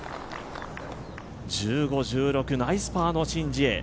１５、１６、ナイスパーのシン・ジエ。